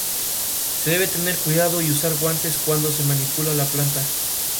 No debe confundirse un ‘funeral de Estado’ con un "funeral católico".